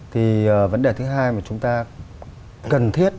thì vấn đề thứ hai mà chúng ta cần thiết